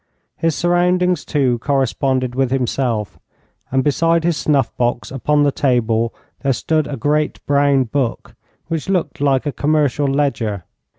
His surroundings, too, corresponded with himself, and beside his snuff box upon the table there stood a great brown book, which looked like a commercial ledger.